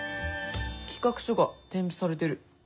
企画書が添付されてる。